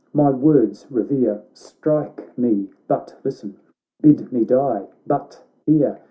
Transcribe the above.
my words revere ! Strike me, but listen — bid me die, but hear!